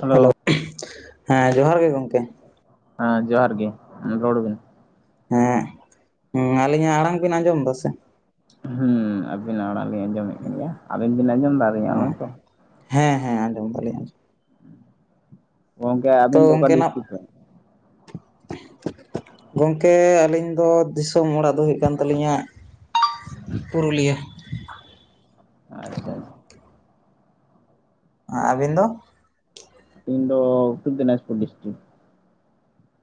Hello hello ᱦᱮᱸ ᱡᱚᱦᱟᱨ ᱜᱮ ᱜᱚᱢᱠᱮ ᱦᱮᱸ ᱡᱚᱦᱟᱨ ᱜᱮ ᱨᱚᱲ ᱵᱤᱱ ᱦᱮᱸ ᱟᱹᱞᱤᱧᱟᱜ ᱟᱲᱟᱝ ᱵᱤᱱ ᱟᱸᱡᱚᱢ ᱮᱫᱟ ᱥᱮ ᱦᱮᱸ ᱟᱹᱵᱤᱱᱟᱜ ᱟᱲᱟᱝ ᱞᱤᱧ ᱟᱸᱡᱚᱢᱮᱫ ᱠᱟᱱ ᱜᱮᱭᱟ ᱟᱹᱵᱤᱧ ᱵᱤᱱ ᱟᱸᱡᱚᱢᱮᱫᱟ ᱟᱹᱞᱤᱧᱟᱜ ᱟᱲᱟᱝ ᱛᱚ ᱦᱮᱸᱻᱦᱮᱸᱻ ᱟᱸᱡᱚᱢ ᱮᱫᱟᱞᱤᱧ ᱟᱸᱡᱚᱢ ᱜᱚᱝᱠᱮ ᱛᱚ ᱟᱹᱵᱤᱱ ᱫᱚ ᱚᱠᱟ ᱚᱱᱠᱮᱱᱟᱜ ᱰᱤᱥᱴᱤᱠ ᱠᱷᱚᱱ ᱜᱚᱢᱠᱮ ᱟᱹᱞᱤᱧ ᱫᱚ ᱫᱤᱥᱚᱢ ᱚᱲᱟᱜ ᱫᱚ ᱦᱩᱭᱩᱜ ᱠᱟᱱ ᱛᱟᱹᱞᱤᱧᱟ ᱯᱩᱨᱩᱞᱤᱭᱟᱹ ᱟᱪᱪᱷᱟ ᱟᱪᱪᱷᱟ ᱟᱹᱵᱤᱱ ᱫᱚ ᱤᱧ ᱫᱚ ᱩᱛᱚᱨ ᱫᱤᱱᱟᱡᱽᱯᱩᱨ ᱰᱤᱥᱴᱨᱤᱠ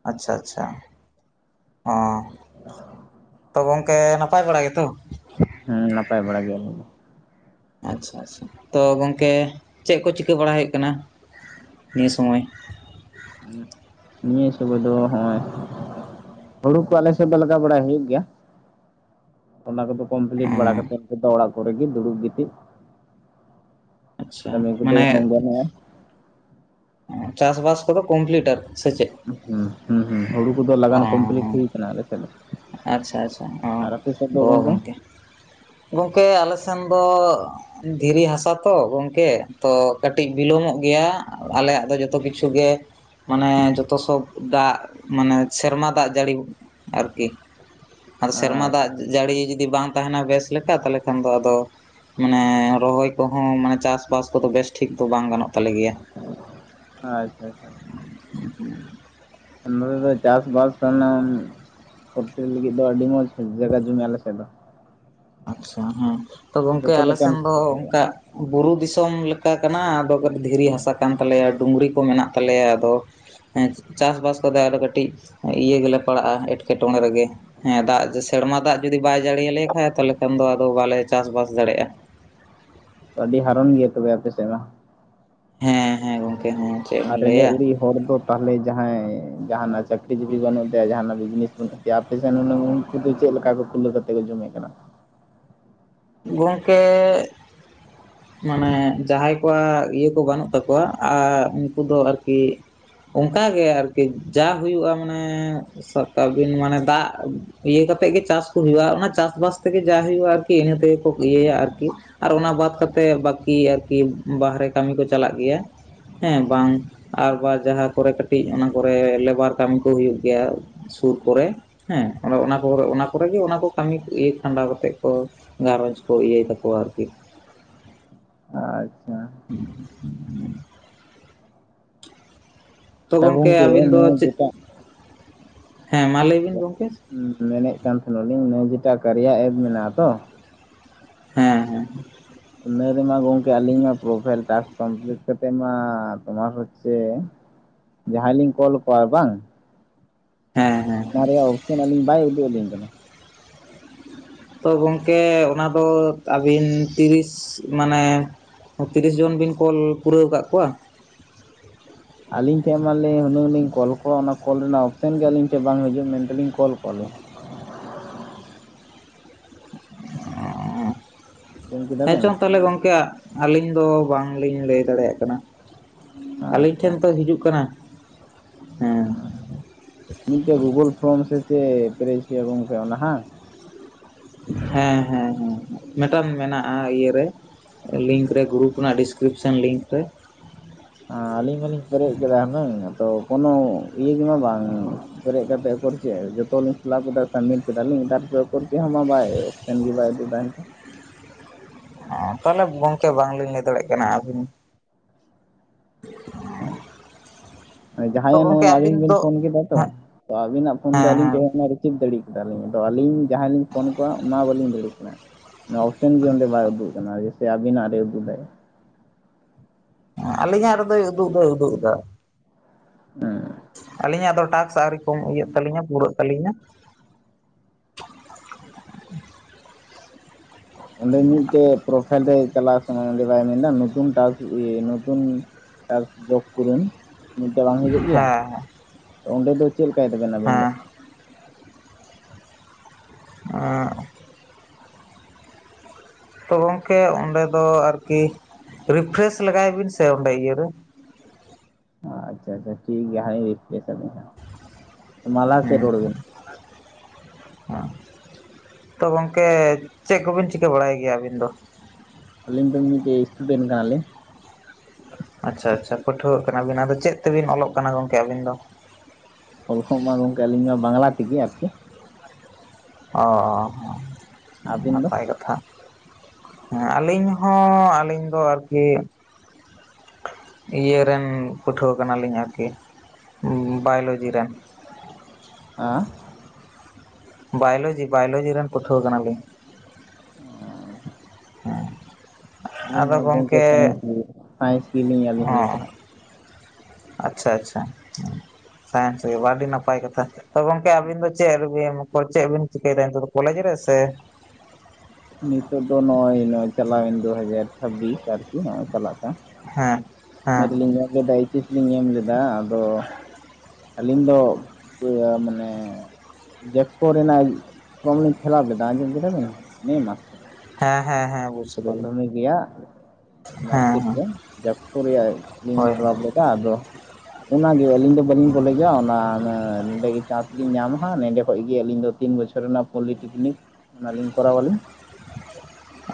ᱟᱪᱪᱷᱟ ᱟᱪᱪᱷᱟ ᱚᱸ ᱛᱚ ᱜᱚᱝᱠᱮ ᱱᱟᱯᱟᱭ ᱵᱟᱲᱟ ᱜᱮᱛᱚ ᱦᱮᱸ ᱱᱟᱯᱟᱭ ᱵᱟᱲᱟ ᱜᱮᱭᱟ ᱞᱤᱧ ᱟᱪᱪᱷᱟ ᱟᱪᱪᱷᱟ ᱛᱚ ᱜᱚᱝᱠᱮ ᱪᱮᱫ ᱠᱚ ᱪᱤᱠᱟᱹ ᱵᱟᱲᱟ ᱦᱩᱭᱩᱜ ᱠᱟᱱᱟ ᱱᱤᱭᱟᱹ ᱥᱚᱢᱚᱭ ᱱᱤᱭᱟᱹ ᱥᱚᱢᱚᱭ ᱫᱚ ᱦᱚᱸᱭ ᱦᱩᱲᱩ ᱠᱚ ᱟᱞᱮ ᱥᱮᱫ ᱫᱚ ᱞᱟᱜᱟᱣ ᱵᱟᱲᱟᱭ ᱦᱩᱭᱩᱜ ᱜᱮᱭᱟ ᱚᱱᱟ ᱠᱚᱫᱚ ᱠᱚᱢᱯᱞᱤᱴ ᱵᱟᱲᱟ ᱚᱸ ᱠᱟᱛᱮ ᱫᱚ ᱚᱲᱟᱜ ᱠᱚᱨᱮ ᱜᱮ ᱫᱩᱲᱩᱵ ᱜᱤᱛᱤᱡ ᱟᱪᱪᱷᱟ ᱠᱟᱢᱤ ᱠᱚ ᱫᱚ ᱢᱟᱱᱮ ᱩᱱᱟᱹᱜ ᱵᱟᱱᱩᱜᱼᱟ ᱪᱟᱥ ᱵᱟᱥ ᱠᱚ ᱠᱚᱢᱯᱞᱤᱴ ᱟᱨ ᱥᱮ ᱪᱮᱫ ᱦᱩᱸ ᱦᱩᱸ ᱦᱩᱲᱩ ᱠᱚᱫᱚ ᱚ ᱞᱟᱜᱟᱱ ᱠᱚᱢᱯᱞᱤᱴ ᱦᱩᱭ ᱠᱟᱱᱟ ᱟᱞᱮ ᱥᱮᱫ ᱫᱚ ᱟᱪᱪᱷᱟ ᱟᱪᱪᱷᱟ ᱦᱚᱸ ᱟᱨ ᱟᱯᱮ ᱥᱮᱫ ᱫᱚ ᱦᱚ ᱜᱚᱝᱠᱮ ᱜᱚᱝᱠᱮ ᱟᱞᱮ ᱥᱮᱱ ᱫᱚ ᱫᱷᱤᱨᱤ ᱦᱟᱥᱟ ᱛᱚ ᱜᱚᱢᱠᱮ ᱛᱚ ᱠᱟᱹᱴᱤᱡ ᱵᱤᱞᱚᱢᱚᱜ ᱜᱮᱭᱟ ᱟᱞᱮᱭᱟᱜ ᱫᱚ ᱡᱚᱛᱚ ᱠᱤᱪᱷᱩ ᱜᱮ ᱢᱟᱱᱮ ᱡᱚᱛ ᱥᱚᱵ ᱫᱟᱜ ᱢᱟᱱᱮ ᱥᱮᱨᱢᱟ ᱫᱟᱜ ᱡᱟᱹᱲᱤ ᱟᱨᱠᱤ ᱟᱨ ᱥᱮᱨᱢᱟ ᱟᱪᱪᱷᱟ ᱫᱟᱜ ᱡᱟᱹᱲᱤ ᱡᱩᱫᱤ ᱵᱟᱝ ᱛᱟᱦᱮᱱᱟ ᱵᱮᱥ ᱞᱮᱠᱟ ᱛᱟᱦᱚᱞᱮ ᱠᱷᱟᱱ ᱫᱚ ᱟᱫᱚ ᱢᱟᱱᱮ ᱨᱚᱦᱚᱭ ᱠᱚᱦᱚᱸ ᱢᱟᱱᱮ ᱪᱟᱥᱵᱟᱥ ᱠᱚᱫᱚ ᱵᱮᱥᱴᱷᱤᱠ ᱫᱚ ᱵᱟᱝ ᱜᱟᱱᱚᱜ ᱛᱟᱞᱮ ᱜᱮᱭᱟ ᱟᱪᱪᱷᱟ ᱟᱪᱪᱷᱟ [unintelligible] ᱱᱚᱛᱮ ᱫᱚ ᱪᱟᱥ ᱵᱟᱟᱥ ᱠᱟᱱᱟ [unintelligible] ᱦᱳᱴᱮᱞ ᱞᱟᱹᱜᱤᱫ ᱫᱚ ᱟᱹᱰᱤ ᱢᱚᱸᱡᱽ ᱡᱟᱭᱜᱟ ᱡᱚᱢᱤ ᱟᱞᱮ ᱥᱮᱫ ᱫᱚ ᱟᱪᱪᱷᱟ ᱦᱮᱸ ᱛᱚ ᱜᱚᱝᱠᱮ ᱡᱚᱛᱚ ᱟᱞᱮ ᱞᱮᱠᱟᱱ ᱥᱮᱱ ᱫᱚ ᱯᱷᱚᱥᱚᱞ ᱦᱩᱭᱩᱜᱼᱟ ᱚᱱᱠᱟ ᱵᱩᱨᱩ ᱫᱤᱥᱚᱢ ᱞᱮᱠᱟ ᱠᱟᱱᱟ ᱟᱫᱚ ᱠᱟᱹᱴᱤᱡ ᱫᱷᱤᱨᱤ ᱦᱟᱥᱟ ᱠᱟᱱ ᱛᱟᱞᱮᱭᱟ ᱰᱩᱝᱨᱤ ᱠᱚ ᱢᱮᱱᱟᱜ ᱛᱟᱞᱮᱭᱟ ᱟᱫᱚ ᱦᱮᱸ ᱪᱟᱥ ᱵᱟᱥ ᱠᱚᱫᱚ ᱟᱨᱚ ᱠᱟᱹᱴᱤᱡ ᱤᱭᱟᱹ ᱜᱮᱞᱮ ᱯᱟᱲᱟᱜᱼᱟ ᱮᱸᱴᱠᱮᱴᱚᱬᱮ ᱨᱮᱜᱮ ᱦᱮᱸ ᱫᱟᱜ ᱥᱮᱨᱢᱟ ᱫᱟᱜ ᱡᱩᱫᱤ ᱵᱟᱭ ᱡᱟᱺᱲᱤ ᱟᱞᱮ ᱠᱷᱟᱡ ᱛᱟᱦᱞᱮ ᱮᱠᱷᱟᱱ ᱫᱚ ᱟᱫᱚ ᱵᱟᱞᱮ ᱪᱟᱥ ᱵᱟᱥ ᱫᱟᱲᱮᱭᱟᱜᱼᱟ ᱟᱹᱰᱤ ᱦᱟᱨᱚᱱ ᱜᱮᱭᱟ ᱛᱚᱵᱮ ᱟᱯᱮ ᱥᱮᱫ ᱢᱟ ᱦᱮᱸ ᱦᱮᱸ ᱜᱚᱝᱠᱮ ᱦᱮᱸ ᱪᱮᱫ ᱮᱢ ᱟᱨ ᱨᱮᱸᱜᱮᱡ ᱞᱟᱹᱭᱟ ᱚᱨᱮᱡ ᱦᱚᱲ ᱫᱚ ᱛᱟᱦᱚᱞᱮ ᱡᱟᱦᱟᱸᱭ ᱡᱟᱦᱟᱱᱟᱜ ᱪᱟᱹᱠᱨᱤ ᱡᱤᱵᱤ ᱵᱟᱹᱱᱩᱜ ᱛᱟᱭᱟ ᱡᱟᱦᱟᱱᱟᱜ ᱵᱤᱡᱽᱱᱮᱥ ᱵᱟᱹᱱᱩᱜ [unintelligible] ᱛᱟᱭᱟ ᱡᱮ ᱟᱯᱮᱥᱮᱫ ᱦᱩᱱᱟᱹᱝ ᱩᱱᱠᱩ ᱫᱚ ᱪᱮᱫ ᱞᱮᱠᱟ ᱠᱚ ᱠᱩᱞᱟᱹᱣ ᱠᱟᱛᱮ ᱠᱚ ᱡᱚᱢᱮᱜ ᱠᱟᱱᱟ ᱜᱚᱝᱠᱮ ᱢᱟᱱᱮ ᱡᱟᱦᱟᱸᱭ ᱠᱚᱣᱟᱜ ᱤᱭᱟᱹ ᱠᱚ ᱵᱟᱹᱱᱩᱜ ᱛᱟᱠᱚᱣᱟ ᱟᱨ ᱩᱱᱠᱩ ᱫᱚ ᱟᱨᱠᱤ ᱚᱱᱠᱟᱜᱮ ᱟᱨᱠᱤ ᱡᱟ ᱦᱩᱭᱩᱜᱼᱟ ᱢᱟᱱᱮ ᱥᱟᱵᱠᱟᱜ ᱵᱤᱱ ᱢᱟᱱᱮ ᱫᱟᱜ ᱤᱭᱟᱹ ᱠᱟᱛᱮᱫ ᱜᱮ ᱪᱟᱥ ᱠᱚ ᱦᱩᱭᱩᱜᱼᱟ ᱚᱱᱟ ᱪᱟᱥᱵᱟᱥ ᱛᱮᱜᱮ ᱡᱟ ᱦᱩᱭᱩᱜᱼᱟ ᱟᱨᱠᱤ ᱤᱱᱟᱹ ᱛᱮᱜᱮ ᱠᱚ ᱤᱭᱟᱹᱭᱟ ᱟᱨᱠᱤ ᱟᱨ ᱚᱱᱟ ᱵᱟᱫ ᱠᱟᱛᱮᱫ ᱵᱟᱹᱠᱤ ᱟᱨᱠᱤ ᱵᱟᱦᱨᱮ ᱠᱟᱹᱢᱤ ᱠᱚ ᱪᱟᱞᱟᱜ ᱜᱮᱭᱟ ᱦᱮᱸ ᱵᱟᱝ ᱟᱨᱵᱟᱨ ᱡᱟᱦᱟᱸ ᱠᱚᱨᱮ ᱠᱟᱹᱴᱤᱡ ᱚᱱᱟ ᱠᱚᱨᱮ ᱞᱮᱵᱟᱨ ᱠᱟᱹᱢᱤ ᱠᱚ ᱦᱩᱭᱩᱜ ᱜᱮᱭᱟ [inaudible] ᱥᱩᱨ ᱠᱚᱨᱮ ᱦᱮᱸ ᱚᱱᱟ ᱠᱚ ᱚᱱᱟ ᱠᱚᱨᱮ ᱜᱮ ᱚᱱᱟ ᱠᱚ ᱠᱟᱹᱢᱤ ᱤᱭᱟᱹ ᱠᱷᱟᱸᱰᱟᱣ ᱠᱟᱛᱮᱜ ᱠᱚ ᱜᱷᱟᱸᱨᱚᱡᱽ ᱠᱚ ᱤᱭᱟᱹᱭ ᱛᱟᱠᱚᱣᱟ ᱟᱨᱠᱤ ᱟᱪᱪᱷᱟ [unintelligible] ᱛᱚ ᱟᱪᱪᱷᱟ ᱜᱚᱝᱠᱮ ᱟᱹᱵᱤᱱ ᱫᱚ ᱱᱚᱣᱟ ᱪᱮᱫ, ᱡᱮᱴᱟ ᱦᱮᱸ ᱢᱟ ᱞᱟᱹᱭ ᱵᱤᱱ ᱜᱚᱝᱠᱮ ᱢᱮᱱᱮᱫ ᱠᱟᱱ ᱛᱟᱦᱮᱱᱟ ᱞᱤᱧ ᱱᱤᱭᱟᱹ ᱡᱮᱴᱟ ᱠᱟᱨᱭᱟ ᱮᱯ ᱢᱮᱱᱟᱜᱼᱟ ᱛᱚ ᱦᱮᱸ ᱦᱮᱸ ᱤᱱᱟᱹ ᱨᱮᱢᱟ ᱜᱚᱝᱠᱮ ᱟᱹᱞᱤᱧ ᱢᱟ ᱯᱨᱳᱯᱷᱟᱭᱤᱞ ᱴᱟᱥ ᱠᱚᱢᱯᱞᱤᱴ ᱠᱟᱛᱮᱜ ᱢᱟ ᱛᱳᱢᱟᱨ ᱦᱚᱪᱪᱮ ᱡᱟᱦᱟᱸᱭ ᱞᱤᱧ ᱠᱚᱞ ᱟᱠᱚᱣᱟ ᱵᱟᱝ ᱦᱮᱸ ᱦᱮᱸ ᱚᱱᱟ ᱨᱮᱭᱟᱜ ᱚᱯᱥᱮᱱ ᱟᱹᱞᱤᱧ ᱵᱟᱭ ᱩᱫᱩᱜ ᱟᱹᱞᱤᱧ ᱠᱟᱱᱟ ᱛᱳ ᱜᱚᱢᱠᱮ ᱚᱱᱟᱫᱚ ᱟᱹᱵᱤᱱ ᱛᱤᱨᱤᱥ ᱢᱟᱱᱮ ᱛᱤᱨᱤᱥ ᱡᱚᱱ ᱵᱤᱱ ᱠᱚᱞ ᱯᱩᱨᱟᱹᱣ ᱠᱟᱜ ᱠᱚᱣᱟ ᱟᱹᱞᱤᱧ ᱴᱷᱮᱱ ᱢᱟᱞᱤᱧ ᱩᱱᱟᱹᱜ ᱞᱤᱧ ᱠᱚᱞ ᱠᱚᱣᱟ ᱚᱱᱟ ᱠᱚᱞ ᱨᱮᱱᱟᱜ ᱚᱯᱥᱮᱱ ᱜᱮ ᱟᱹᱞᱤᱧ ᱴᱷᱮᱱ ᱵᱟᱝ ᱦᱤᱡᱩᱜ ᱢᱮᱱᱛᱮᱞᱤᱧ ᱠᱚᱞ ᱠᱚᱣᱟᱞᱤᱧ ᱟᱸᱡᱚᱢ ᱠᱮᱫᱟ ᱵᱮᱱ ᱦᱮᱸᱪᱚᱝ ᱛᱟᱦᱚᱞᱮ ᱜᱚᱢᱠᱮ ᱟᱹᱞᱤᱧ ᱫᱚ ᱵᱟᱝᱞᱤᱧ ᱞᱟᱹᱭ ᱫᱟᱲᱮᱭᱟᱜ ᱠᱟᱱᱟ ᱟᱹᱞᱤᱧ ᱟᱪᱪᱷᱟ ᱴᱷᱮᱱ ᱛᱚ ᱦᱤᱡᱩᱜ ᱠᱟᱱᱟ ᱦᱮᱸ ᱢᱤᱫᱴᱮᱡ ᱜᱩᱜᱩᱞ ᱯᱷᱨᱚᱢ ᱥᱮ ᱪᱮᱫ ᱯᱮᱨᱮᱡ ᱦᱩᱭᱩᱜᱼᱟ ᱜᱚᱝᱠᱮ ᱚᱱᱟ ᱦᱮᱸ ᱦᱮᱸ ᱦᱮᱸ ᱢᱤᱫᱴᱟᱝ ᱢᱮᱱᱟᱜᱼᱟ ᱤᱭᱟᱹᱨᱮ ᱞᱤᱝᱠ ᱨᱮ ᱜᱨᱩᱯ ᱨᱮᱱᱟᱜ ᱰᱤᱥᱠᱨᱤᱯᱥᱚᱱ ᱞᱤᱝᱠ ᱨᱮ ᱟᱹᱞᱤᱧ ᱢᱟᱞᱤᱧ ᱯᱮᱨᱮᱡ ᱠᱮᱫᱟ ᱦᱩᱱᱟᱹᱜ ᱟᱫᱚ ᱠᱳᱱᱳ ᱤᱭᱟᱹ ᱜᱮᱢᱟ ᱵᱟᱝ ᱯᱮᱨᱮᱡ ᱠᱟᱛᱮ ᱟᱫᱚ ᱪᱮᱫ ᱡᱚᱛᱚᱞᱤᱧ ᱯᱷᱤᱞᱟᱯ ᱠᱮᱫᱟ ᱥᱟᱵᱢᱤᱴ ᱠᱮᱫᱟᱞᱤᱧ ᱛᱟᱨ ᱯᱚᱨᱮ ᱛᱚ ᱪᱮᱫ ᱦᱚᱸ ᱵᱟᱝ ᱮᱱ ᱜᱮᱵᱟᱭ ᱩᱫᱩᱜ ᱫᱟᱭ [unintelligible] ᱚ ᱛᱟᱦᱚᱞᱮ ᱜᱚᱝᱠᱮ ᱵᱟᱝᱞᱤᱧ ᱞᱟᱹᱭ ᱫᱟᱲᱮᱭᱟᱜ ᱠᱟᱱᱟ ᱟᱹᱵᱤᱱ [unintelligible] ᱛᱚ ᱡᱟᱦᱟᱸᱭᱟᱜ ᱜᱚᱝᱠᱮ ᱱᱚᱜ-ᱚᱭ ᱟᱹᱵᱤᱱ ᱟᱵᱤᱱ ᱵᱤᱱ ᱫᱚ ᱯᱷᱳᱱ ᱠᱮᱫᱟ ᱛᱚ, ᱦᱮᱸ ᱛᱚ ᱟᱵᱤᱱᱟᱜ ᱯᱷᱳᱱ ᱫᱚ ᱦᱮᱸ ᱟᱞᱤᱧ ᱦᱮᱸ ᱴᱷᱮᱡ ᱦᱮᱡᱱᱟ ᱨᱤᱥᱤᱵᱷ ᱫᱟᱲᱮ ᱠᱮᱫᱟᱞᱤᱧ, ᱟᱫᱚ ᱟᱹᱞᱤᱧ ᱡᱟᱦᱟᱸᱭᱞᱤᱧ ᱯᱷᱳᱱᱟ ᱠᱚᱣᱟ ᱚᱱᱟ ᱵᱟᱹᱞᱤᱧ ᱫᱟᱲᱮᱭᱟᱜ ᱠᱟᱱᱟ ᱚᱱᱟ ᱚᱯᱥᱮᱱ ᱜᱮ ᱚᱸᱰᱮ ᱵᱟᱭ ᱩᱫᱩᱜ ᱠᱟᱱᱟ ᱡᱮᱭᱥᱮ ᱟᱵᱤᱱᱟᱜ ᱨᱮ ᱩᱫᱩᱜᱫᱟᱭ ᱦᱮᱸ ᱟᱞᱤᱧᱟᱜ ᱨᱮᱫᱚᱭ ᱩᱫᱩᱜ ᱫᱚᱭ ᱩᱫᱩᱜ ᱮᱫᱟ ᱦᱮᱸ ᱟᱹᱞᱤᱧᱟᱜ ᱫᱚ ᱴᱟᱠᱥ ᱟᱹᱣᱨᱤ ᱠᱚᱢ ᱤᱭᱟᱹᱜ ᱛᱟᱹᱞᱤᱧᱟ ᱯᱩᱨᱟᱹᱜ ᱛᱟᱹᱞᱤᱧᱟ ᱚᱸᱰᱮ ᱢᱤᱫᱴᱮᱡ ᱯᱨᱚᱯᱷᱟᱭᱤᱞ ᱨᱮ ᱪᱟᱞᱟᱜ ᱮᱸᱻ ᱚᱸᱰᱮ ᱵᱟᱭ ᱢᱮᱱᱫᱟ ᱱᱚᱛᱩᱱ ᱴᱟᱠᱥ ᱤᱭᱟᱹ ᱱᱚᱛᱩᱱ ᱴᱟᱠᱥ ᱡᱳᱜᱽ ᱠᱚᱨᱩᱱ ᱢᱮᱮᱱᱛᱮ ᱵᱟᱝ ᱦᱤᱡᱩᱜ ᱜᱮᱭᱟ ᱦᱮᱸ ᱚᱸᱰᱮ ᱫᱚ ᱪᱮᱫ ᱞᱮᱠᱟᱭ ᱫᱟᱵᱮᱱ ᱟᱵᱮᱱ ᱫᱚ ᱦᱮᱸ [unintelligible] ᱛᱚ ᱜᱚᱝᱠᱮ ᱚᱸᱰᱮ ᱫᱚ ᱟᱨᱠᱤ ᱨᱤᱯᱷᱨᱮᱥ ᱞᱮᱟᱜᱟᱭ ᱵᱤᱱ ᱥᱮ ᱚᱸᱰᱮ ᱤᱭᱟᱹᱨᱮ ᱟᱪᱪᱷᱟ ᱟᱪᱪᱷᱟ ᱴᱷᱤᱠ ᱜᱮᱭᱟ ᱦᱟᱸᱜ ᱨᱤᱯᱷᱞᱮᱥ ᱟᱞᱤᱧ ᱦᱟᱸᱜ ᱢᱟ ᱞᱟᱦᱟ ᱥᱮᱫ ᱦᱮᱸ ᱨᱚᱲ ᱵᱤᱱ ᱦᱚᱸ ᱛᱚ ᱜᱚᱝᱠᱮ ᱪᱮᱫ ᱠᱚᱵᱤᱱ ᱪᱤᱠᱟᱹ ᱵᱟᱲᱟᱭ ᱜᱮᱭᱟ ᱟᱵᱤᱱ ᱫᱚ ᱟᱹᱞᱤᱧ ᱫᱚ ᱢᱤᱫᱴᱮᱡ ᱤᱥᱴᱩᱰᱮᱱᱴ ᱠᱟᱱᱟᱞᱤᱧ ᱟᱪᱪᱷᱟ ᱟᱪᱪᱷᱟ ᱯᱟᱹᱴᱷᱩᱣᱟᱹᱜ ᱠᱟᱱᱟ ᱵᱤᱱ ᱟᱫᱚ ᱪᱮᱫ ᱛᱮᱵᱤᱱ ᱚᱞᱚᱜ ᱠᱟᱱᱟ ᱜᱚᱝᱠᱮ ᱟᱹᱵᱤᱱ ᱫᱚ ᱚᱞ ᱠᱚᱦᱚᱸ ᱢᱟ ᱜᱚᱝᱠᱮ ᱟᱹᱞᱤᱧ‌ ᱢᱟ ᱵᱟᱝᱞᱟ ᱛᱮᱜᱮ ᱟᱨᱠᱤ ᱚ ᱚ ᱚ ᱟᱹᱵᱤᱱ ᱫᱚ ᱱᱟᱯᱟᱭ ᱠᱟᱛᱷᱟ ᱦᱮᱸ ᱟᱹᱞᱤᱧ ᱦᱚᱸ ᱟᱹᱞᱤᱧ ᱫᱚ ᱟᱨᱠᱤ ᱤᱭᱟᱹ ᱨᱮᱱ ᱯᱟᱹᱴᱷᱩᱣᱟᱹ ᱠᱟᱱᱟᱞᱤᱧ ᱟᱨᱠᱤ ᱵᱟᱭᱳᱞᱚᱡᱤ ᱨᱮᱱ ᱦᱮᱸ? ᱵᱟᱭᱳᱞᱚᱡᱤ ᱵᱟᱭᱳᱞᱚᱡᱤ ᱨᱮᱱ ᱯᱟᱹᱴᱷᱩᱣᱟᱹ ᱠᱟᱱᱟᱞᱤᱧ ᱚ ᱦᱮᱸ ᱟᱹᱞᱤᱧ ᱦᱚᱸ ᱜᱚᱝᱠᱮ ᱥᱟᱭᱮᱱᱥ ᱜᱮ ᱥᱟᱭᱮᱱᱥ ᱜᱮᱞᱤᱧ ᱟᱹᱞᱤᱧ ᱦᱚᱸᱞᱤᱧ ᱦᱚᱸ ᱯᱟᱲᱦᱟᱜ ᱟᱪᱪᱷᱟ ᱟᱪᱪᱷᱟ ᱥᱟᱭᱮᱱᱥ ᱜᱮ ᱟᱹᱰᱤ ᱱᱟᱯᱟᱭ ᱠᱟᱛᱷᱟ ᱛᱚ ᱜᱚᱝᱠᱮ ᱟᱵᱤᱱ ᱫᱚ ᱪᱮᱫ ᱨᱮᱵᱤᱱ ᱢᱚᱛᱞᱚᱵ ᱪᱮᱫ ᱵᱤᱱ ᱪᱤᱠᱟᱹᱭᱮᱫᱟ ᱱᱤᱛᱚᱜ ᱫᱚ ᱠᱚᱞᱮᱡᱽ ᱨᱮ ᱥᱮ ᱱᱤᱛᱚᱜ ᱫᱚ ᱱᱚᱜᱼᱚᱭ ᱱᱚᱜ-ᱚᱭ ᱪᱟᱞᱟᱣᱮᱱ ᱫᱩ ᱦᱟᱡᱟᱨ ᱪᱷᱟᱵᱵᱤᱥ ᱟᱨᱠᱤ ᱱᱚᱜ-ᱚᱭ ᱪᱟᱞᱟᱜ ᱠᱟᱱ ᱦᱮᱸ ᱚᱱᱟ ᱦᱮᱸ ᱨᱮᱞᱤᱤᱧ ᱧᱮᱞ ᱞᱮᱫᱟ ᱮᱭᱤᱪᱮᱥ ᱞᱤᱧ ᱮᱢ ᱞᱮᱫᱟ ᱟᱫᱚ ᱟᱹᱞᱤᱧ ᱫᱚ ᱤᱭᱟᱹ ᱢᱟᱱᱮ ᱡᱮᱠᱥᱯᱳ ᱨᱮᱱᱟᱜ ᱯᱷᱨᱚᱢᱞᱤᱧ ᱯᱷᱤᱞᱟᱯ ᱞᱮᱫᱟ ᱟᱸᱡᱚᱢ ᱠᱮᱫᱟ ᱵᱮᱱ ᱢᱮ ᱢᱟᱥ ᱦᱮᱸ ᱦᱮᱸ ᱦᱮᱸ ᱵᱩᱡᱽ ᱠᱮᱫᱟᱞᱤᱧ ᱢᱟᱫᱽᱫᱷᱚᱢᱤᱠ ᱨᱮᱭᱟᱜ ᱦᱮᱸ ᱢᱟᱨᱠᱥᱤᱴ ᱦᱮᱸ ᱨᱮ ᱡᱮᱠᱥᱯᱳ ᱨᱮᱭᱟᱜ ᱞᱤᱧ ᱦᱳᱭ ᱯᱷᱤᱞᱟᱯ ᱞᱮᱫ [unintelligible] ᱟᱫᱚ ᱚᱱᱟᱜᱮ ᱟᱹᱞᱤᱧ ᱫᱚ ᱵᱟᱹᱞᱤᱧ ᱠᱚᱞᱮᱡᱟ ᱚᱱᱟ ᱚᱱᱟ ᱱᱚᱸᱰᱮ ᱜᱮ ᱪᱟᱱᱥ ᱞᱤᱧ ᱧᱟᱢᱟ ᱦᱟᱸᱜ ᱱᱚᱸᱰᱮ ᱠᱷᱚᱚᱡ ᱜᱮ ᱟᱹᱞᱤᱧ ᱫᱚ ᱛᱤᱱ ᱵᱚᱪᱷᱚᱨ ᱨᱮᱱᱟᱜ ᱯᱚᱞᱤᱴᱤᱠᱱᱤᱠ ᱚᱱᱟᱞᱤᱧ ᱠᱚᱨᱣᱟᱞᱤᱧ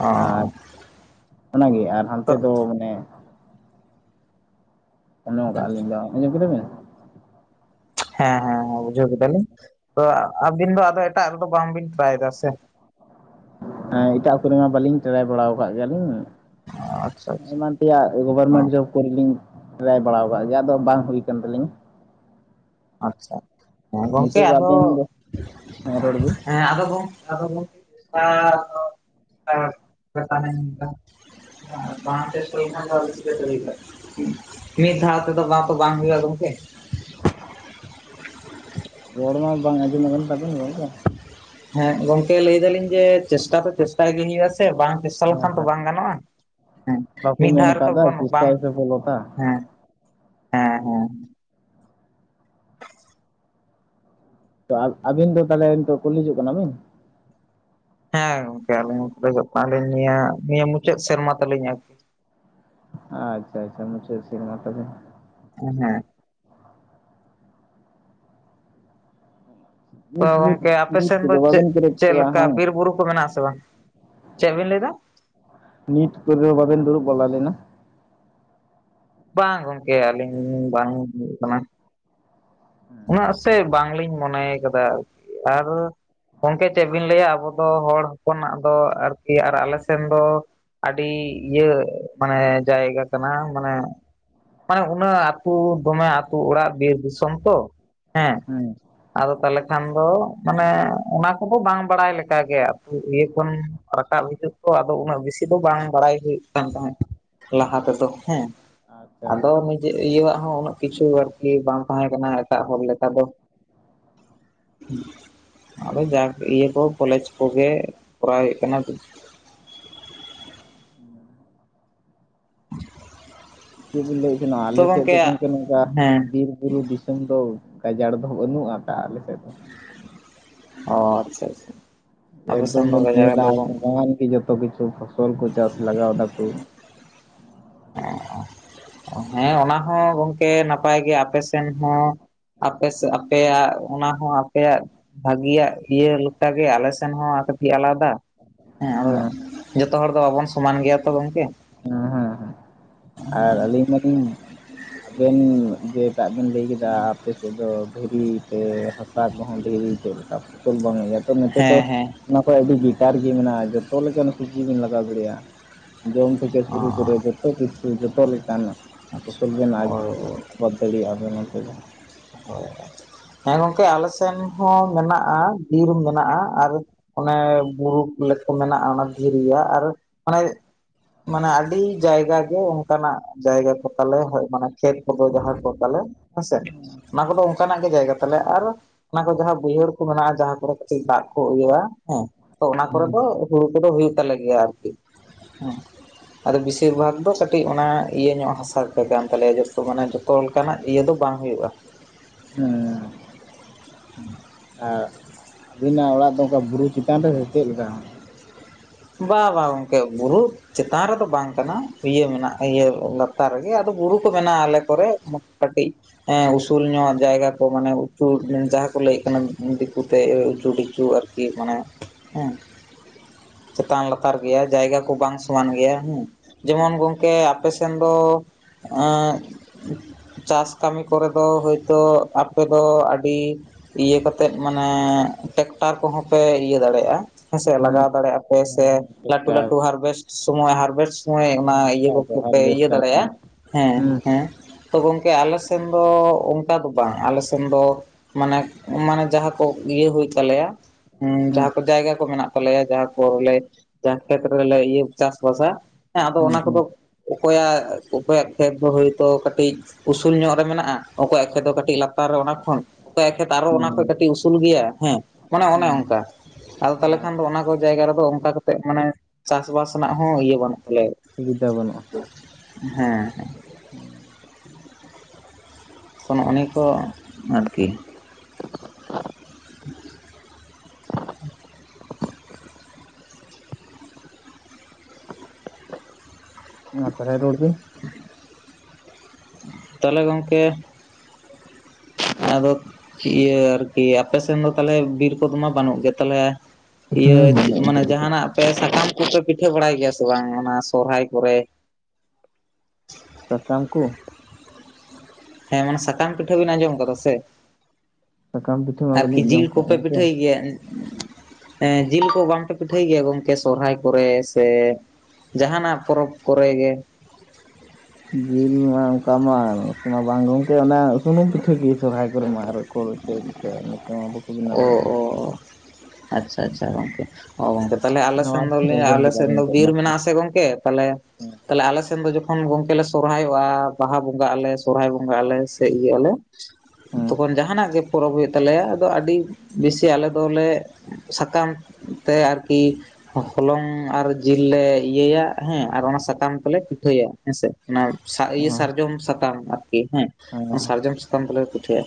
ᱚ ᱟᱨ ᱚᱱᱟᱜᱮ ᱟᱨ ᱛᱚ ᱦᱟᱱᱛᱮ ᱫᱚ ᱢᱟᱱᱮ [unintelligible] ᱟᱸᱚᱢ ᱠᱮᱫᱟ ᱵᱮᱱ ᱦᱮᱸ ᱦᱮᱸ‌ ᱦᱮᱸ ᱵᱩᱡᱷᱟᱹᱣ ᱠᱮᱫᱟᱞᱤᱧ ᱛᱚ ᱟᱵᱤᱱ ᱫᱚ ᱟᱫᱚ ᱮᱴᱟᱜ ᱨᱮᱫᱚ ᱵᱟᱝᱵᱤᱱ ᱴᱨᱟᱭ ᱫᱟ ᱥᱮ ᱦᱮᱸ ᱮᱴᱟᱜ ᱠᱚᱨᱮ ᱢᱟ ᱵᱟᱹᱞᱤᱧ ᱴᱮᱲᱟᱭ ᱵᱟᱲᱟᱣ ᱠᱟᱟᱜ ᱜᱮᱭᱟᱞᱤᱧ ᱟᱪᱪᱷᱟ ᱟᱪᱪᱷᱟ ᱮᱢᱟᱱ ᱛᱮᱭᱟᱜ ᱚ ᱜᱚᱵᱷᱚᱨᱢᱮᱱᱴ ᱡᱚᱵ ᱠᱚᱨᱮᱞᱤᱧ ᱴᱨᱟᱭ ᱵᱟᱲᱟᱣ ᱠᱟᱜ ᱜᱮᱭᱟ ᱟᱫᱚ ᱵᱟᱝ ᱦᱩᱭ ᱠᱟᱱ ᱛᱟᱞᱤᱧ ᱟᱪᱪᱷᱟ ᱦᱮᱸ ᱜᱚᱝᱠᱮ ᱱᱤᱛᱚᱜ ᱫᱚ ᱟᱫᱚ ᱟᱵᱮᱱ ᱫᱚ ᱦᱮᱸ ᱨᱚᱲ ᱵᱤᱱ ᱦᱮᱸ ᱟᱫᱚ ᱜᱚᱝ ᱟᱫᱚ ᱜᱚᱝ [unintelligible] [unintelligible] ᱪᱤᱠᱟᱹᱛᱮ ᱦᱩᱭ ᱠᱚᱜ-ᱟ ᱢᱤᱫ ᱫᱷᱟᱣ ᱛᱮᱫᱚ ᱵᱟᱝᱛᱚ ᱵᱟᱝ ᱦᱩᱭᱩᱜᱼᱟ ᱜᱚᱝᱠᱮ ᱨᱚᱲ ᱢᱟ ᱵᱟᱝ ᱟᱸᱡᱚᱢᱚᱜ ᱠᱟᱱ ᱛᱟᱵᱮᱱ ᱜᱚᱝᱠᱮ ᱦᱮᱸ ᱜᱚᱝᱠᱮ ᱞᱟᱹᱭ ᱫᱟᱞᱤᱧ ᱡᱮ ᱪᱮᱥᱴᱟ ᱫᱚ ᱪᱮᱥᱴᱟᱭ ᱜᱮ ᱦᱩᱭᱩᱜ-ᱟ ᱥᱮ ᱵᱟᱝ᱾ ᱵᱮᱥᱟ ᱦᱮᱸ ᱞᱮᱠᱷᱟᱱ ᱛᱚ ᱦᱮᱸ ᱵᱟᱝ ᱜᱟᱱᱚᱜᱼᱟ ᱦᱮᱸ ᱵᱟᱠᱚ ᱢᱤᱫ ᱢᱮᱱ ᱫᱷᱟᱣ ᱨᱮ ᱛᱚ ᱟᱠᱟᱫᱟ ᱵᱚᱱ ᱵᱟᱝ ᱪᱮᱥᱴᱟᱭ ᱥᱮ ᱵᱚᱞᱚᱛᱟ ᱦᱮᱸ ᱦᱮᱸ ᱦᱮᱸ [inaudible] ᱛᱚ ᱟᱹᱵᱤᱱ ᱫᱚ ᱛᱟᱦᱚᱞᱮ ᱠᱩᱞ ᱦᱤᱡᱩᱜ ᱠᱟᱱᱟ ᱵᱤᱱ᱾ ᱦᱮᱸ ᱜᱚᱝᱼᱠᱮ ᱟᱹᱞᱤᱧ ᱦᱚᱸ ᱠᱟᱜᱟᱞᱤᱧ ᱱᱤᱭᱟᱹ ᱢᱩᱪᱟᱹᱫ ᱥᱮᱨᱢᱟ ᱛᱟᱞᱤᱧ ᱟᱪᱪᱷᱟ ᱟᱪᱪᱷᱟ ᱢᱩᱪᱟᱹᱫ ᱥᱮ ᱢᱟ ᱛᱚᱵᱮ ᱦᱮᱸ ᱦᱮᱸ ᱛᱚ ᱱᱤᱴ ᱱᱤᱴ ᱜᱚᱝᱠᱮ ᱟᱯᱮ ᱱᱤᱴ ᱥᱮᱱ ᱫᱚ ᱠᱚᱫᱚ ᱪᱮᱫ ᱵᱟᱵᱮᱱ ᱠᱨᱮᱠ ᱪᱮᱫ ᱠᱟᱫᱟ ᱞᱮᱠᱟ ᱵᱟᱝ ᱵᱤᱨ ᱵᱩᱨᱩ ᱠᱚ ᱢᱮᱱᱟᱜ ᱟᱥᱮ ᱵᱟᱝ᱾ ᱪᱮᱫ ᱵᱤᱱ ᱞᱟᱹᱭ ᱮᱫᱟ? ᱱᱤᱴ ᱠᱚ ᱵᱟᱵᱮᱱ ᱫᱩᱲᱩᱵ ᱵᱟᱞᱟ ᱞᱮᱱᱟ᱾ ᱵᱟᱝ ᱜᱚᱝᱠᱮ ᱟᱹᱞᱤᱧ ᱵᱟᱝ [unintelligible] ᱠᱟᱱᱟ᱾ ᱩᱱᱟᱹᱜ ᱥᱮ ᱵᱟᱝᱞᱤᱧ ᱢᱚᱱᱮ ᱠᱟᱫᱟ᱾ ᱟᱨ ᱜᱚᱢᱠᱮ ᱪᱮᱫ ᱵᱤᱱ ᱞᱟᱹᱭᱟ ᱟᱵᱚ ᱫᱚ ᱦᱚᱲ ᱦᱚᱯᱚᱱᱟᱜ ᱫᱚ ᱟᱨᱠᱤ ᱟᱨ ᱟᱞᱮ ᱥᱮᱱ ᱫᱚ ᱟᱹᱰᱤ ᱤᱭᱟᱹ ᱢᱟᱱᱮ ᱡᱟᱭᱜᱟ ᱠᱟᱱᱟ᱾ ᱢᱟᱱᱮ ᱢᱟᱱᱮ ᱩᱱᱟᱹᱜ ᱟᱹᱛᱩ ᱫᱚᱢᱮ ᱟᱹᱛᱩ ᱚᱲᱟᱜ ᱜᱮ ᱵᱤᱨ ᱫᱤᱥᱚᱢ ᱛᱚ ᱦᱮᱸ ᱦᱮᱸ ᱟᱫᱚ ᱛᱟᱦᱚᱞᱮ ᱠᱷᱟᱱ ᱫᱚ ᱢᱟᱱᱮ ᱚᱱᱟ ᱠᱚᱫᱚ ᱵᱟᱝ ᱵᱟᱲᱟᱭ ᱞᱮᱠᱟᱜᱮ ᱟᱫᱚ ᱤᱭᱟᱹ ᱠᱷᱚᱱ ᱨᱟᱠᱟᱵ ᱦᱤᱡᱩᱜ ᱛᱚ ᱟᱫᱚ ᱩᱱᱟᱹᱜ ᱵᱮᱥᱤ ᱫᱚ ᱵᱟᱝ ᱵᱟᱲᱟᱭ ᱦᱩᱭᱩᱜ ᱠᱟᱱ ᱛᱟᱦᱮᱸᱫ ᱞᱟᱦᱟᱛᱮ ᱛᱚ ᱦᱮᱸ ᱟᱪᱪᱷᱟ ᱟᱫᱚ ᱟᱪᱪᱷᱟ ᱱᱤᱡᱮ ᱤᱭᱟᱹᱣᱟᱜ ᱦᱚᱸ ᱩᱱᱟᱹᱜ ᱠᱤᱪᱷᱩ ᱟᱨᱠᱤ ᱵᱟᱝ ᱛᱟᱦᱮᱸ ᱠᱟᱱᱟ᱾ ᱮᱴᱟᱜ ᱦᱚᱲ ᱞᱮᱠᱟ ᱫᱚ ᱟᱫᱚ ᱦᱮᱸ ᱡᱟᱠ ᱤᱭᱟᱹ ᱠᱚ ᱠᱚᱞᱮᱡᱽ ᱠᱚᱜᱮ ᱠᱚᱨᱟᱣ ᱦᱩᱭᱩᱜ ᱠᱟᱱᱟ᱾ ᱪᱮᱫ ᱵᱤᱱ ᱞᱟᱹᱭᱮᱫ ᱛᱟᱦᱮᱱᱟ ᱟᱞᱮ ᱥᱮᱫ ᱜᱚᱝᱠᱮ ᱫᱚ ᱱᱚᱝᱠᱟ ᱦᱮᱸ ᱵᱤᱨ ᱵᱩᱨᱩ ᱫᱤᱥ ᱥᱟᱹᱢ ᱫᱚ ᱜᱟᱡᱟᱲ ᱫᱚ ᱵᱟᱹᱱᱩᱜᱼᱟ ᱟᱠᱟᱫ ᱟᱞᱮ ᱥᱮᱫ ᱫᱚ ᱚ ᱟᱪᱪᱷᱟ ᱟᱪᱪᱷᱟ ᱟᱯᱮ ᱥᱮᱱ ᱮᱠᱫᱚᱢ ᱫᱚ ᱜᱟᱡᱟᱲ ᱧᱮᱞᱟ ᱫᱚ ᱵᱟᱝ ᱥᱚᱢᱟᱱ ᱜᱮ ᱡᱚᱛᱚ ᱠᱤᱪᱷᱩ ᱯᱷᱚᱥᱚᱞ ᱠᱚ ᱪᱟᱥ ᱞᱟᱜᱟᱣ ᱫᱟᱠᱚ᱾ ᱦᱮᱸ [inaudible] ᱦᱮᱸ ᱚᱱᱟ ᱦᱚᱸ ᱜᱚᱝᱠᱮ ᱱᱟᱯᱟᱭ ᱜᱮ ᱟᱯᱮ ᱥᱮᱱ ᱦᱚᱸ ᱟᱯᱮ ᱥᱮᱫ ᱟᱯᱮᱭᱟᱜ ᱚᱱᱟ ᱦᱚᱸ ᱟᱯᱮᱭᱟᱜ ᱵᱷᱟᱜᱤᱭᱟᱜ ᱤᱭᱟᱹ ᱞᱮᱠᱟᱜᱮ ᱟᱞᱮ ᱥᱮᱱ ᱦᱚᱸ ᱟᱨ ᱠᱟᱹᱴᱤᱡ ᱟᱞᱟᱫᱟ ᱦᱮᱸ ᱟᱫᱚ ᱡᱚᱛᱚ ᱦᱚᱲ ᱫᱚ ᱵᱟᱵᱚᱱ ᱥᱚᱢᱟᱱ ᱜᱮᱭᱟ ᱛᱚ ᱜᱚᱢᱠᱮ ᱦᱮᱸ ᱦᱮᱸ ᱦᱸ ᱟᱨ ᱟᱹᱞᱤᱧ ᱢᱟᱞᱤᱧ ᱟᱵᱮᱱ ᱡᱮ ᱥᱮᱛᱟᱜ ᱵᱮᱱ ᱞᱟᱹᱭ ᱠᱮᱫᱟ ᱟᱯᱮ ᱥᱮᱫ ᱫᱚ ᱫᱷᱤᱨᱤ ᱯᱮ ᱦᱟᱥᱟ ᱠᱚᱦᱚᱸ ᱫᱷᱤᱨᱤ ᱪᱮᱫ ᱞᱮᱠᱟ ᱯᱷᱚᱥᱚᱞ ᱵᱟᱝ ᱦᱩᱭᱩᱜᱼᱟ ᱛᱚ ᱱᱚᱛᱮ ᱫᱚ ᱦᱮᱸ ᱦᱮᱸ ᱚᱱᱟ ᱠᱷᱚᱡ ᱟᱹᱰᱤ ᱵᱮᱴᱟᱨ ᱜᱤ ᱢᱮᱱᱟᱜᱼᱟ ᱡᱚᱛᱚ ᱞᱮᱠᱟᱱ ᱥᱩᱵᱡᱤ ᱵᱤᱱ ᱞᱟᱜᱟᱣ ᱫᱟᱲᱮᱭᱟᱜᱼᱟ᱾ ᱡᱚᱢ ᱛᱷᱮᱠᱮ ᱚ ᱥᱩᱨᱩ ᱠᱚᱨᱮ ᱡᱚᱛᱚ ᱠᱤᱪᱷᱩ ᱡᱚᱛᱚ ᱞᱮᱠᱟᱱᱟ ᱯᱷᱚᱥᱚᱞ ᱵᱮᱱ ᱚ ᱵᱚᱫ ᱫᱟᱲᱮᱭᱟᱜᱼᱟ ᱱᱚᱛᱮ ᱫᱚ ᱦᱳᱭ ᱦᱳᱭ ᱦᱮᱸ ᱜᱚᱝᱠᱮ ᱟᱞᱮ ᱥᱮᱱ ᱦᱚᱸ ᱢᱮᱱᱟᱜᱼᱟ ᱵᱤᱨ ᱢᱮᱱᱟᱜᱼᱟ᱾ ᱟᱨ ᱚᱱᱮ ᱵᱩᱨᱩᱠ ᱞᱮᱠ ᱢᱮᱱᱟᱜᱼᱟ ᱚᱱᱟ ᱫᱷᱤᱨᱤᱭᱟᱜ ᱟᱨ ᱢᱟᱱᱮ ᱢᱟᱱᱮ ᱟᱹᱰᱤ ᱡᱟᱭᱜᱟ ᱜᱮ ᱚᱱᱠᱟᱱᱟᱜ ᱡᱟᱭᱜᱟ ᱠᱚ ᱛᱟᱞᱮ ᱦᱳᱭ ᱚᱱᱟ ᱠᱷᱮᱛ ᱠᱚᱫᱚ ᱢᱟᱦᱟᱸ ᱠᱚ ᱛᱟᱞᱮ ᱦᱮᱸᱥᱮ ᱚᱱᱟ ᱠᱚᱫᱚ ᱚᱱᱠᱟᱱᱟᱜ ᱜᱮ ᱡᱟᱭᱜᱟ ᱛᱟᱞᱮ ᱟᱨ ᱚᱱᱟ ᱠᱚ ᱡᱟᱦᱟᱸ ᱵᱟᱹᱭᱦᱟᱹᱲ ᱠᱚ ᱢᱮᱱᱟᱜᱼᱟ ᱡᱟᱦᱟᱸ ᱠᱚᱨᱮ ᱫᱟᱜ ᱠᱚ ᱜᱤᱭᱟ ᱦᱮᱸ ᱛᱚ ᱚᱱᱟ ᱠᱚᱨᱮ ᱦᱩᱸ ᱫᱚ ᱦᱩᱲᱩ ᱠᱚᱫᱚ ᱦᱩᱭᱩᱜ ᱛᱟᱞᱮ ᱜᱤᱭᱟ ᱟᱨ ᱠᱤ ᱦᱮᱸ ᱟᱫᱚ ᱵᱤᱥᱤᱨ ᱵᱷᱟᱜᱽ ᱫᱚ ᱠᱟᱹᱴᱤᱡ ᱚᱱᱟ ᱤᱭᱟᱹ ᱧᱚᱜ ᱦᱟᱥᱟ ᱠᱟᱱ ᱛᱟᱞᱮᱭᱟ ᱡᱚᱛᱚ ᱢᱟᱱᱮ ᱛᱚᱞ ᱠᱟᱱᱟᱜ ᱤᱭᱟᱹ ᱫᱚ ᱵᱟᱝ ᱦᱩᱭᱩᱜᱼᱟ᱾ ᱦᱩᱸ [inaudible] ᱟᱨ ᱟᱵᱤᱱᱟᱜ ᱚᱲᱟᱜ ᱫᱚ ᱚᱠᱟ ᱵᱩᱨᱩ ᱪᱮᱛᱟᱱ ᱨᱮ ᱪᱮᱫ ᱞᱮᱠᱟ? ᱵᱟ ᱵᱟ ᱜᱚᱝᱠᱮ ᱵᱩᱨᱩ ᱪᱮᱛᱟᱱ ᱨᱮᱫᱚ ᱵᱟᱝ ᱠᱟᱱᱟ ᱤᱭᱟᱹ ᱢᱮᱱᱟᱜᱼᱟ ᱤᱭᱟᱹ ᱞᱟᱛᱟᱨ ᱨᱮᱜᱮ ᱟᱫᱚ ᱵᱩᱨᱩ ᱠᱚ ᱢᱮᱱᱟᱜᱼᱟ ᱟᱞᱮ ᱠᱚᱨᱮ ᱠᱟᱹᱴᱤᱡ ᱦᱮᱸ ᱩᱥᱩᱞ ᱧᱚᱜ ᱡᱟᱭᱜᱟ ᱠᱚ ᱢᱟᱱᱮ ᱩᱪᱩ ᱡᱟᱦᱟᱸ ᱠᱚ ᱞᱟᱹᱭᱮᱫ ᱠᱟᱱᱟ᱾ ᱫᱤᱠᱩ ᱛᱮ ᱩᱪᱩᱰᱤᱪᱩ ᱟᱨᱠᱤ ᱢᱟᱱᱮ ᱦᱮᱸ ᱪᱮᱛᱟᱱ ᱞᱟᱛᱟᱨ ᱜᱮᱭᱟ ᱡᱟᱭᱜᱟ ᱠᱚ ᱵᱟᱝ ᱥᱚᱢᱟᱱ ᱜᱮᱭᱟ ᱦᱮᱸ ᱡᱮᱢᱚᱱ ᱜᱚᱢᱠᱮ ᱟᱯᱮ ᱥᱮᱱ ᱫᱚ ᱮᱸ ᱪᱟᱥ ᱠᱟᱹᱢᱤ ᱠᱚᱨᱮ ᱫᱚ ᱦᱳᱭᱛᱳ ᱟᱯᱮᱫᱚ ᱟᱹᱰᱤ ᱤᱭᱟᱹ ᱠᱟᱛᱮᱫ ᱢᱟᱱᱮ ᱴᱮᱠᱴᱟᱨ ᱠᱚᱦᱚᱸ ᱯᱮ ᱤᱭᱟᱹ ᱫᱟᱲᱮᱭᱟᱜ-ᱟ᱾ ᱦᱮᱟᱥᱮ ᱦᱮᱸ ᱞᱟᱜᱟᱣ ᱫᱟᱲᱮᱭᱟᱜ-ᱟ ᱯᱮ ᱦᱮᱸ ᱥᱮ ᱦᱮᱸ ᱞᱟᱴᱩ ᱴᱮᱠᱴᱟᱨ ᱞᱟᱟᱹᱴᱩ ᱦᱟᱨᱵᱷᱮᱥᱴ ᱥᱳᱢᱚᱭ ᱦᱟᱨᱵᱷᱮᱥᱴ ᱚᱭ ᱚᱱᱟ ᱦᱮᱸ ᱤᱭᱟᱹ ᱠᱚᱜ ᱯᱮ ᱤᱭᱟᱹ ᱦᱟᱨᱵᱷᱮᱥᱴᱟᱨ ᱫᱟᱲᱮᱭᱟᱜ ᱦᱮᱸ ᱦᱮᱸ ᱦᱩᱸ ᱦᱮᱸ ᱛᱚ ᱜᱚᱝᱠᱮ ᱟᱞᱮ ᱥᱮᱱ ᱫᱚ ᱚᱱᱠᱟ ᱫᱚ ᱵᱟᱝ ᱟᱞᱮ ᱥᱮᱱ ᱫᱚ᱾ ᱢᱟᱱᱮ ᱢᱟᱱᱮ ᱡᱟᱦᱟᱸ ᱠᱚ ᱤᱭᱟᱹ ᱦᱩᱭᱩᱜ ᱛᱟᱞᱮᱭᱟ᱾ ᱦᱮᱸ ᱦᱩᱸ ᱡᱟᱦᱟᱸ ᱠᱚ ᱡᱟᱭᱜᱟ ᱠᱚ ᱢᱮᱱᱟᱜ ᱛᱟᱞᱮᱭᱟ ᱡᱟᱦᱟᱸ᱾ ᱡᱟᱦᱟᱸ ᱠᱷᱮᱛ ᱨᱮᱞᱮ ᱤᱭᱟᱹ ᱪᱟᱥ ᱵᱟᱥᱟ ᱦᱮᱸ ᱟᱫᱚ ᱦᱩᱸ ᱚᱱᱟ ᱦᱩᱸ ᱠᱚᱫᱚ ᱚᱠᱚᱭᱟᱜ ᱚᱠᱚᱭᱟᱜ ᱠᱷᱮᱛ ᱫᱚ ᱦᱳᱭᱛᱳ ᱠᱟᱹᱴᱤᱡ ᱩᱥᱩᱞ ᱧᱚᱜ ᱨᱮ ᱢᱮᱱᱟᱜ-ᱟ ᱚᱠᱚ ᱮᱠᱷᱟᱱ ᱫᱚ ᱠᱟᱹᱴᱤᱡ ᱞᱟᱛᱟᱨ ᱨᱮ ᱚᱱᱟ ᱠᱷᱚᱱ᱾ ᱚᱠᱚᱭᱟᱜ ᱠᱷᱮᱛ ᱟᱨᱚ ᱚᱱᱟ ᱦᱩᱸ ᱠᱷᱚᱱ ᱠᱟᱹᱴᱤᱡ ᱩᱥᱩᱞ ᱜᱮᱭᱟ ᱦᱮᱸ ᱢᱟᱱᱮ ᱚᱱᱮ ᱦᱩᱸ ᱚᱱᱠᱟ ᱟᱫᱚ ᱛᱟᱦᱚᱞᱮ ᱟᱨ ᱠᱷᱟᱱ ᱫᱚ ᱚᱱᱟ ᱠᱚ ᱡᱟᱭᱜᱟ ᱨᱮᱫᱚ ᱚᱱᱠᱟ ᱠᱟᱛᱮ ᱢᱟᱱᱮ ᱪᱟᱥᱵᱟᱥ ᱨᱮᱱᱟᱜ ᱦᱚᱸ ᱤᱭᱟᱹ ᱵᱟᱹᱱᱩᱜ ᱛᱟᱞᱮᱭᱟ᱾ ᱥᱩᱵᱤᱫᱟ ᱵᱟᱹᱱᱩᱜ-ᱟ᱾ ᱦᱮᱸ ᱦᱮᱸ ᱦᱩᱸ ᱱᱚᱜ ᱱᱤᱭᱟᱹ ᱠᱚ ᱟᱨᱠᱤ ᱢᱟ ᱛᱟᱨᱦᱮ ᱨᱚᱲ ᱵᱤᱱ ᱛᱟᱦᱚᱞᱮ ᱜᱚᱢᱠᱮ ᱟᱫᱚ ᱤᱭᱟᱹ ᱟᱨᱠᱤ ᱟᱯᱮ ᱥᱮᱮᱫ ᱫᱚ ᱛᱟᱦᱚᱞᱮ ᱵᱤᱨ ᱠᱚᱫᱚ ᱢᱟ ᱵᱟᱹᱱᱩᱜ ᱜᱮ ᱛᱟᱦᱚᱞᱮ ᱤᱭᱟᱹ ᱦᱮᱸ ᱢᱟᱱᱮ ᱪᱮᱫ ᱡᱟᱦᱟᱱᱟᱜ ᱯᱮ ᱥᱟᱠᱟᱢ ᱠᱚᱯᱮ ᱯᱤᱴᱷᱟᱹ ᱵᱟᱲᱟᱭ ᱜᱮᱭᱟ ᱥᱮ ᱵᱟᱝ ᱚᱱᱟ ᱥᱚᱦᱨᱟᱭ ᱠᱚᱨᱮ? ᱥᱟᱠᱟᱢ ᱠᱚ ᱦᱮᱸ ᱢᱟᱱᱮ ᱥᱟᱠᱟᱢ ᱯᱤᱴᱷᱟᱹ ᱵᱤᱱ ᱟᱸᱡᱚᱢ ᱠᱟᱫᱟ ᱥᱮ? ᱥᱟᱠᱟᱢ ᱯᱤᱴᱷᱟᱹ ᱢᱟ ᱟᱨᱠᱤ ᱵᱟᱹᱞᱤᱧ ᱡᱚᱢ ᱡᱤᱞ ᱠᱟᱜ ᱠᱚᱯᱮ ᱜᱚᱝᱠᱮ ᱯᱤᱴᱷᱟᱹᱭ ᱜᱮᱭᱟ? ᱦᱮᱸ ᱡᱤᱞ ᱠᱚ ᱵᱟᱝᱯᱮ ᱯᱤᱴᱷᱟᱹᱭ ᱜᱮᱭᱟ ᱜᱚᱝᱠᱮ ᱥᱚᱨᱦᱟᱭ ᱠᱚᱨᱮ ᱥᱮ ᱡᱟᱦᱟᱱᱟᱜ ᱯᱚᱨᱚᱵᱽ ᱠᱚᱨᱮ ᱜᱮ? ᱡᱤᱞ ᱢᱟ ᱚᱱᱠᱟ ᱢᱟ ᱵᱟᱝ ᱜᱚᱝᱠᱮ ᱚᱱᱟ ᱥᱩᱱᱩᱢ ᱯᱤᱴᱷᱟᱹ ᱜᱮ ᱥᱚᱨᱚᱦᱟᱭ ᱠᱚᱨᱮ ᱢᱟ ᱟᱨ ᱠᱚᱨᱮ ᱜᱮ ᱯᱤᱴᱷᱟᱹᱭᱟ ᱱᱤᱛᱚ ᱦᱚ ᱚ ᱚ ᱟᱪᱪᱷᱟ ᱟᱪᱪᱷᱟ ᱜᱚᱝᱠᱮ ᱚ ᱜᱚᱝᱠᱮ ᱛᱟᱦᱚᱞᱮ ᱟᱞᱮ ᱱᱟᱣᱟ ᱥᱮᱱ ᱫᱚ ᱜᱮᱞᱤᱧ ᱟᱸᱡᱚᱢ ᱟᱞᱮ ᱠᱮᱫᱟ ᱥᱮᱱ ᱫᱚ ᱜᱚᱝᱠᱮ ᱵᱤᱨ ᱚᱱᱟ ᱠᱚᱫᱚ ᱢᱮᱱᱟᱜ ᱟ ᱥᱮ ᱜᱚᱝᱠᱮ ᱛᱟᱦᱮ ᱦᱮᱸ ᱛᱟᱦᱞᱮ ᱟᱞᱮ ᱥᱮᱱ ᱫᱚ ᱡᱚᱠᱷᱚᱱ ᱠᱷᱚᱱ ᱜᱚᱝᱠᱮ ᱞᱮ ᱥᱚᱨᱦᱟᱭᱚᱜ-ᱟ ᱵᱟᱦᱟ ᱵᱚᱸᱜᱟᱜ ᱟᱞᱮ ᱥᱚᱨᱦᱟᱭ ᱵᱚᱸᱜᱟᱜ ᱟᱞᱮ ᱥᱮ ᱤᱭᱟᱹᱜ ᱟᱞᱮ ᱦᱮᱸ ᱛᱚᱠᱷᱚᱱ ᱡᱟᱦᱟᱱᱟᱜ ᱜᱮ ᱯᱚᱨᱚᱵᱽ ᱦᱩᱭᱩᱜ ᱛᱟᱞᱮᱭᱟ ᱟᱫᱚ ᱟᱹᱰᱤ ᱵᱮᱥᱤ ᱟᱞᱮ ᱫᱚᱞᱮ ᱥᱟᱠᱟᱢ ᱛᱮ ᱟᱨᱠᱤ ᱦᱚᱞᱚᱝ ᱟᱨ ᱡᱤᱞ ᱞᱮ ᱤᱭᱟᱹᱭᱟ ᱦᱮᱸ ᱟᱨ ᱚᱱᱟ ᱥᱟᱠᱟᱢ ᱛᱮᱞᱮ ᱯᱤᱴᱷᱟᱹᱭᱟ ᱦᱮᱸᱥᱮ᱾ ᱚᱱᱟ ᱤᱭᱟᱹ ᱥᱟᱨᱡᱚᱢ ᱥᱟᱛᱟᱢ ᱟᱨᱠᱤ ᱦᱮᱸ ᱚᱱᱟ ᱥᱟᱨᱡᱚᱢ ᱥᱟᱛᱟᱢ ᱫᱚᱞᱮ ᱯᱤᱴᱷᱟᱹᱭᱟ᱾